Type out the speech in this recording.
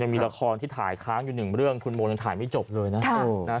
มีละครที่ถ่ายค้างอยู่หนึ่งเรื่องคุณโมยังถ่ายไม่จบเลยนะ